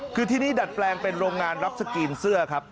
คือที่นี่ดัดแปลงเป็นโรงงานรับสกรีนเสื้อครับ